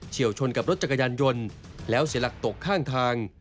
วชนกับรถจักรยานยนต์แล้วเสียหลักตกข้างทาง